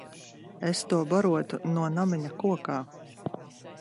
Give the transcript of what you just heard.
Es to barotu no namiņa kokā.